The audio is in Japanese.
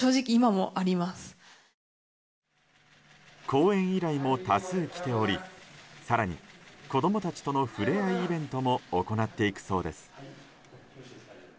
講演依頼も多数来ており更に子供たちとのふれあいイベントも行っていくそうです。